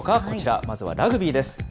こちら、まずはラグビーです。